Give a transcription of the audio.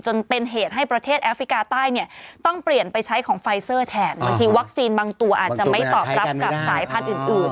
จนเป็นเหตุให้ประเทศแอฟริกาใต้เนี่ยต้องเปลี่ยนไปใช้ของไฟเซอร์แทนบางทีวัคซีนบางตัวอาจจะไม่ตอบรับกับสายพันธุ์อื่น